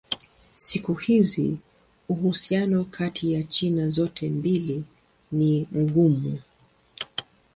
Siku hizi uhusiano kati ya China zote mbili ni mgumu.